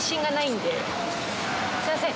すいません。